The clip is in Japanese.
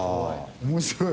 面白い。